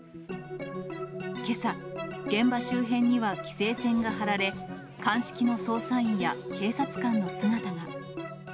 けさ、現場周辺には規制線が張られ、鑑識の捜査員や警察官の姿が。